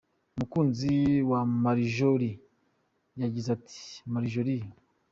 umukunzi wa Marjorie yagize ati, Marjorie.